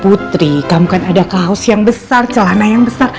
putri kamu kan ada kaos yang besar celana yang besar